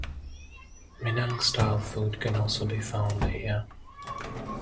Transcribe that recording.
Minang style food can also be found here.